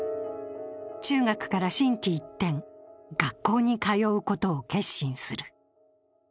中学から心機一転、学校に通うことを決心する。